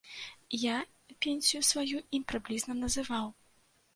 Я пенсію сваю ім прыблізна называў.